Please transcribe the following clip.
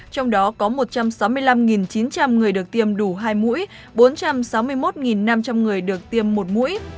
trong đó có một trăm sáu mươi năm chín trăm linh người được tiêm đủ hai mũi bốn trăm sáu mươi một năm trăm linh người được tiêm một mũi